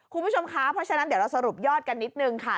คุณผู้ชมคะเพราะฉะนั้นเดี๋ยวเราสรุปยอดกันนิดนึงค่ะ